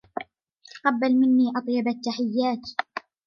تقبل مني أطيب التحيات.